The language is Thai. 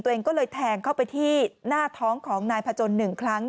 ตัวเองก็เลยแทงเข้าไปที่หน้าท้องของนายพจน๑ครั้ง